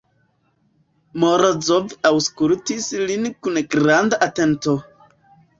Morozov aŭskultis lin kun granda atento.